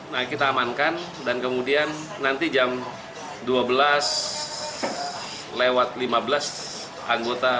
nah kita amankan dan kemudian nanti jam dua belas lewat lima belas anggota